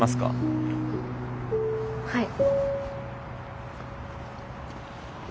はい。